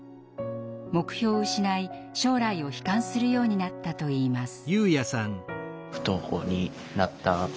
目標を失い将来を悲観するようになったといいます。